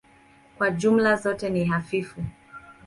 Kwa jumla zote ni hafifu.